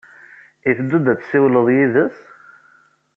I teddud ad tessiwled yid-s?